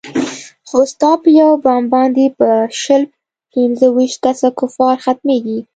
خو ستا په يو بم باندې به شل پينځه ويشت کسه کفار ختميګي.